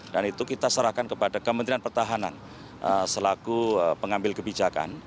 dan itu kita serahkan kepada kementerian pertahanan selaku pengambil kebijakan